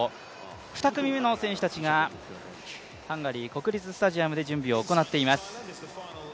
２組目の選手たちがハンガリー国立スタジアムで準備を行っています。